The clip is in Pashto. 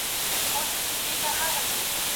زه پرون بوټونه پاکوم